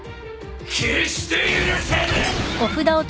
決して許せぬ！